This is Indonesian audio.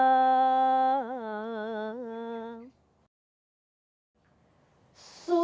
sultan syarif kasihmu